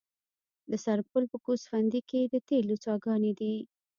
د سرپل په ګوسفندي کې د تیلو څاګانې دي.